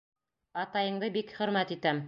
Атайыңды бик хөрмәт итәм.